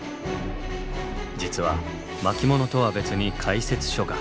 実は巻物とは別に解説書が。